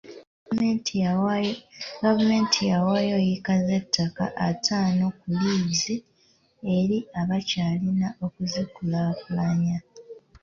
Gavumenti yawaayo yiika z'ettaka ataano ku liizi eri Abakyalina okuzikulaakulanya.